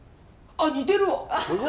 あ似てるわ！